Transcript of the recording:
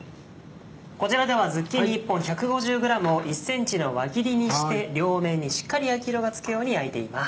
こちらではズッキーニ１本１５０ｇを１ｃｍの輪切りにして両面にしっかり焼き色がつくように焼いています。